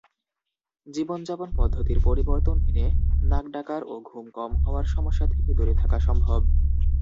জীবনযাপন পদ্ধতিতে পরিবর্তন এনে নাক ডাকার ও ঘুম কম হওয়ার সমস্যা থেকে দূরে থাকা সম্ভব।